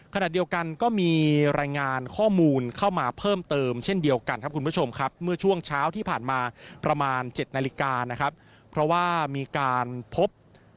ขนาดเดียวกันก็มีรายงานข้อมูลเข้ามาเพิ่มเติมเช่นเดียวกันครับคุณผู้ชมครับ